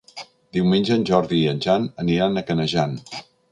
Diumenge en Jordi i en Jan aniran a Canejan.